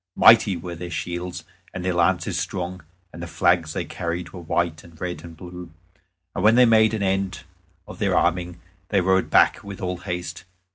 Mighty were their shields, and their lances strong, and the flags that they carried were white and red and blue. And when they made an end of their arming they rode back with all haste.